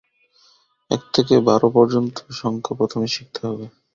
এক থেকে বার পর্যন্ত সংখ্যা প্রথম শিখতে হবে।